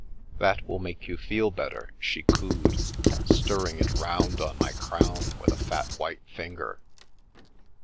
" That will make you feel better," she cooed, stirring it round on my crown with a fat white finger.